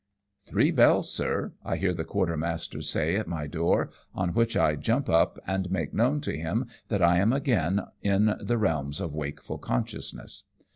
" Three bells, sir," I hear the quarter master say at my door, on which I jump up, and make known to him that I am again in the realms of wakeful consciousness.